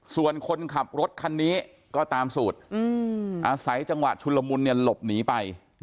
ส่วนคนขับรถคันนี้ก็ตามสูตรใส่จังหวะชุนรมรณ์ลบหนีไป